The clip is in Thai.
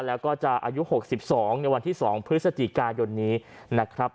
แล้วก็จะอายุ๖๒ในวันที่๒พฤศจิกายนนี้นะครับ